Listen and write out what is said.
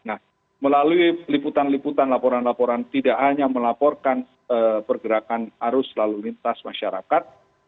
nah melalui liputan liputan laporan laporan tidak hanya melaporkan pergerakan arus lalu lintas masyarakat